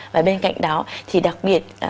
và bên cạnh đó thì đặc biệt